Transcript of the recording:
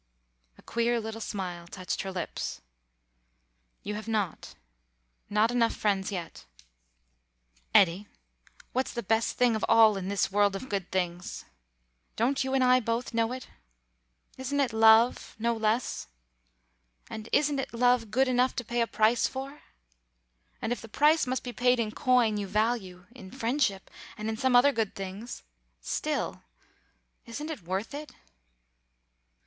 A queer little smile touched her lips. "You have not. Not enough friends yet. Eddy, what's the best thing of all in this world of good things? Don't you and I both know it? Isn't it love, no less? And isn't love good enough to pay a price for? And if the price must be paid in coin you value in friendship, and in some other good things still, isn't it worth it?